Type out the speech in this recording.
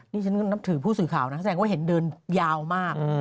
นี่ฉันก็นับถือผู้สื่อข่าวนะแสดงว่าเห็นเดินยาวมาก